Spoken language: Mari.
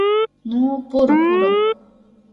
— Ну пуро, пуро.